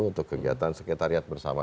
untuk kegiatan sekretariat bersama